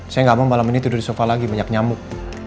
saya nggak mau malam ini tidur di sofa lagi banyak nyamuk